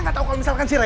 ini tidak mungkin terjadi